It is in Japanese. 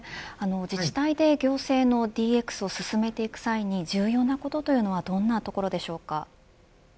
自治体で行政のＤＸを進めていく際に重要なことはどんなところでしょうか。